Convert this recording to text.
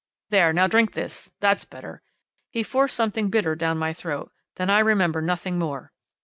There, now, drink this that's better.' He forced something bitter down my throat, then I remember nothing more.